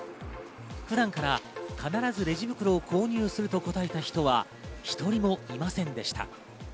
普段から必ずレジ袋を購入すると答えた人は１人もいませんでした。